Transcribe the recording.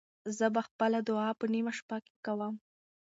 زه به خپله دعا په نیمه شپه کې کوم.